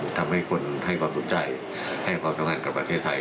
ทำให้คนให้ความสนใจให้ความสำคัญกับประเทศไทย